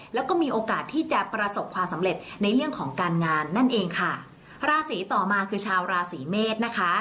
แล้วก็มีโอกาสที่จะประสบความสำเร็จในเรื่องของการงานนั่นเองค่ะราศีต่อมาคือชาวราศีเมษนะคะ